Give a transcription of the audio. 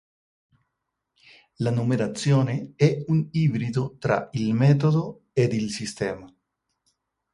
La numerazione è un ibrido tra il Metodo ed il Sistema.